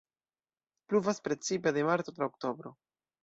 Pluvas precipe de marto tra oktobro.